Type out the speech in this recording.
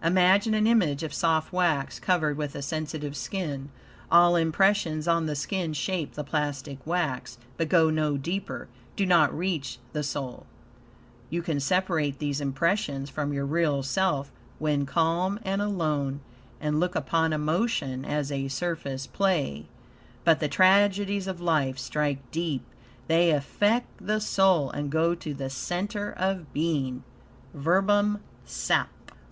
Imagine an image of soft wax, covered with a sensitive skin. All impressions on the skin shape the plastic wax, but go no deeper do not reach the soul. You can separate these impressions from your real self, when calm and alone, and look upon emotion as a surface play. But the tragedies of life strike deep. They affect the soul, and go to the center of being. "Verbum sap."